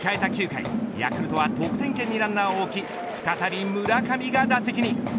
９回ヤクルトは得点圏にランナーを置き再び村上が打席に。